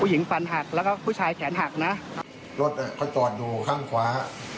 ผู้หญิงฟันหักแล้วก็ผู้ชายแขนหักนะครับรถน่ะค่อยตรวจดูข้างขวา